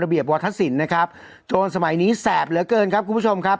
เบียบวัฒนศิลป์นะครับโจรสมัยนี้แสบเหลือเกินครับคุณผู้ชมครับ